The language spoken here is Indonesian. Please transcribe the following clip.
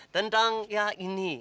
tentang ya ini